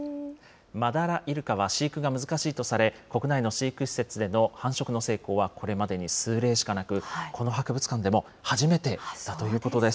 マダライルカは飼育が難しいとされ、国内の飼育施設での繁殖の成功は、これまでに数例しかなく、この博物館でも初めてだということです。